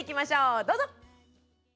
どうぞ！